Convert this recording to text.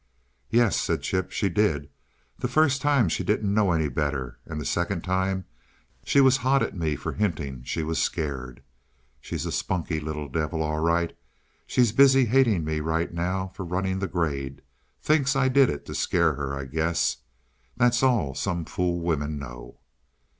"Yes," said Chip, "she did. The first time she didn't know any better and the second time she was hot at me for hinting she was scared. She's a spunky little devil, all right. She's busy hating me right now for running the grade thinks I did it to scare her, I guess. That's all some fool women know."